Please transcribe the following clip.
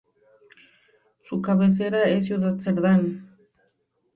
Su cabecera es Ciudad Serdán.